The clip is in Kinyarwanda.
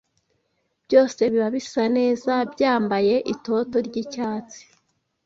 byose biba bisa neza byambaye itoto ry’icyatsi,